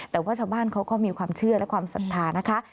แต่ว่าชาวบ้านเขาก็มีความเชื่อและความศรัทธานะคะ